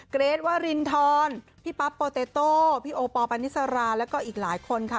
เกรทวรินทรพี่ปั๊บโปเตโต้พี่โอปอลปานิสราแล้วก็อีกหลายคนค่ะ